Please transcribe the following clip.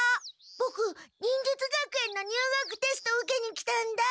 ボク忍術学園の入学テスト受けに来たんだ。